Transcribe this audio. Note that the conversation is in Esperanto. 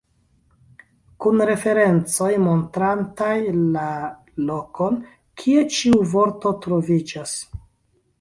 Kun referencoj montrantaj la lokon, kie ĉiu vorto troviĝas.